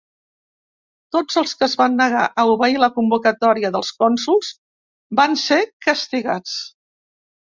Tots els que es van negar a obeir la convocatòria dels cònsols van ser castigats.